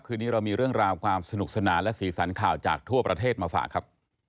คืนนี้เรามีเรื่องราวความสนุกสนานและสีสันข่าวจากทั่วประเทศมาฝากครับ